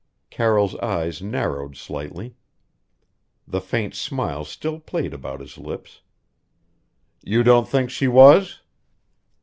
Carroll's eyes narrowed slightly. The faint smile still played about his lips. "You don't think she was?"